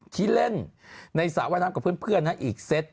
ที่เล่นในสระว่ายน้ำกับเพื่อนอีกเซต